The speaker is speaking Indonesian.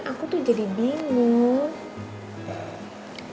aku tuh jadi bingung